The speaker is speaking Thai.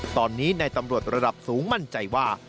ตอนนี้ในตำรวจระดับสูงมั่นใจว่า